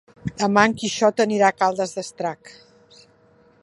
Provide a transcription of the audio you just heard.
Demà en Quixot anirà a Caldes d'Estrac.